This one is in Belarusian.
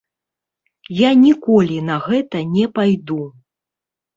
Я ніколі на гэта не пайду.